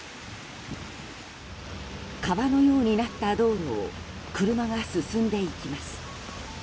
川のようになった道路を車が進んでいきます。